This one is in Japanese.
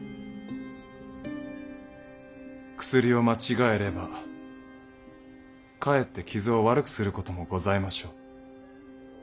薬を間違えればかえって傷を悪くすることもございましょう。